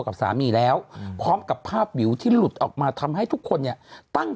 กับสามีแล้วพร้อมกับภาพวิวที่หลุดออกมาทำให้ทุกคนเนี่ยตั้ง